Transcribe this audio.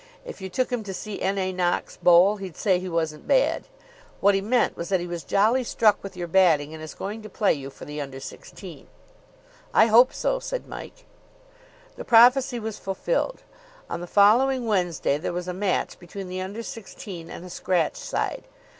If you took him to see N. A. Knox bowl, he'd say he wasn't bad. What he meant was that he was jolly struck with your batting, and is going to play you for the Under Sixteen." "I hope so," said Mike. The prophecy was fulfilled. On the following Wednesday there was a match between the Under Sixteen and a scratch side.